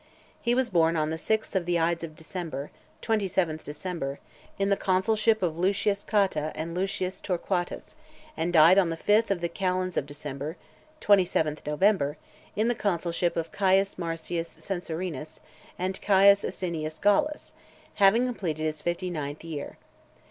He was born on the sixth of the ides of December [27th December], in the consulship of Lucius Cotta and Lucius Torquatus; and died on the fifth of the calends of December [27th November], in the consulship of Caius Marcius Censorinus and Caius Asinius Gallus ; having completed his fifty ninth year.